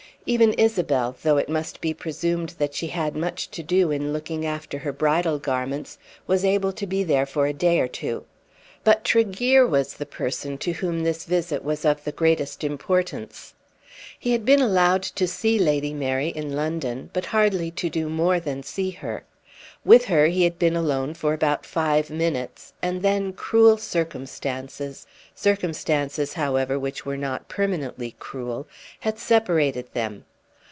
Even Isabel, though it must be presumed that she had much to do in looking after her bridal garments, was able to be there for a day or two. But Tregear was the person to whom this visit was of the greatest importance. He had been allowed to see Lady Mary in London, but hardly to do more than see her. With her he had been alone for about five minutes, and then cruel circumstances, circumstances, however, which were not permanently cruel, had separated them.